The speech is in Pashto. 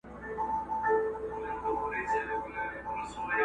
هره ورځ به نه وي غم د اردلیانو،